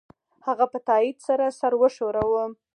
هغه په تایید سره سر وښوراوه